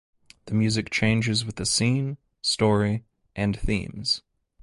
The music changes with the scene, story and themes.